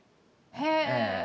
へえ！